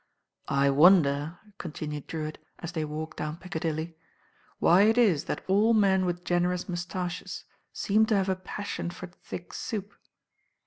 "I wonder," continued Drewitt, as they walked down Piccadilly, "why it is that all men with gen erous moustaches seem to have a passion for thick soup."